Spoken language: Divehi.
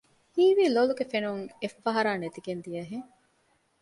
ހީވީ ލޮލުގެ ފެނުން އެއްފަހަރާ ނެތިގެން ދިޔަހެން